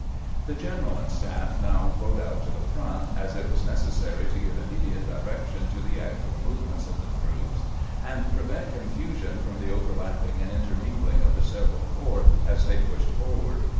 The general and staff now rode out to the front, as it was necessary to give immediate direction to the actual movements of the troops, and prevent confusion from the overlapping and intermingling of the several corps as they pushed forward.